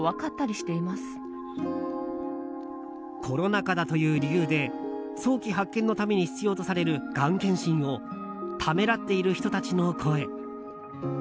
コロナ禍だという理由で早期発見のために必要とされるがん検診をためらっている人たちの声。